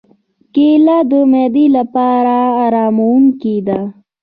کېله د معدې لپاره آراموونکې ده.